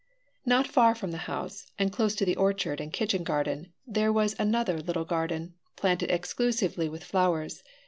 Not far from the house, and close to the orchard and kitchen garden, there was another little garden, planted exclusively with flowers.